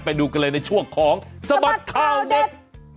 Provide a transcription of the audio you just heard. ไปดูกันเลยในช่วงของสบัดข่าวเด็ด